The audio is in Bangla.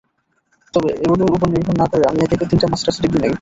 তবে, এগুলোর ওপর নির্ভর না থেকে আমি একে একে তিনটা মাস্টার্স ডিগ্রী নেই।